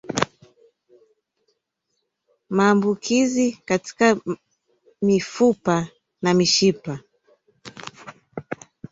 Maambukizi katika mifupa na mishipa